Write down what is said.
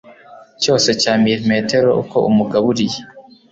cyose cya milimetero uko umugaburiye